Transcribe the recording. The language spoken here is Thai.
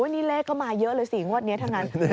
นี่เลขก็มาเยอะเลยสิงวดนี้ทั้งนั้น